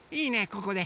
ここで。